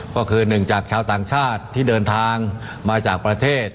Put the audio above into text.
ก็คือหนึ่งจากชาวต่างชาติที่เดินทางมาจากประเทศ